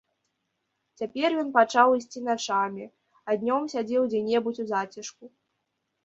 Цяпер ён пачаў ісці начамі, а днём сядзеў дзе-небудзь у зацішку.